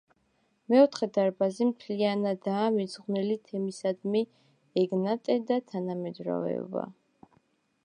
მეოთხე დარბაზი მთლიანადაა მიძღვნილი თემისადმი: „ეგნატე და თანამედროვეობა“.